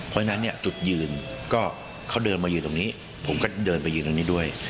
เพราะฉะนั้นเนี่ยจุดยืนก็เขาเดินมายืนตรงนี้ผมก็เดินไปยืนตรงนี้ด้วย